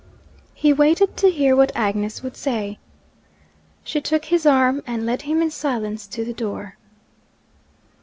He waited to hear what Agnes would say. She took his arm and led him in silence to the door.